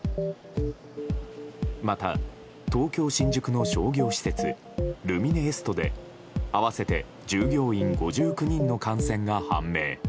また東京・新宿の商業施設ルミネエストで合わせて従業員５９人の感染が判明。